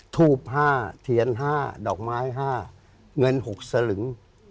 ทูบ๕เทียน๕ดอกไม้๕เงิน๖สลึง